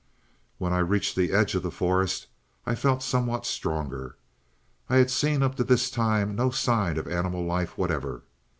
"When I reached the edge of the forest I felt somewhat stronger. I had seen up to this time no sign of animal life whatever.